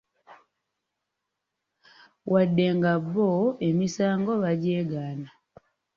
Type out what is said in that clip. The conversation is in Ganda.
Wadde nga bo emisango bagyegaana.